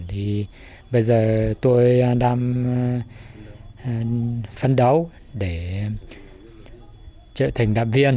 thì bây giờ tôi đang phân đấu để trở thành đạp viên